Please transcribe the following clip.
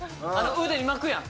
腕に巻くやん。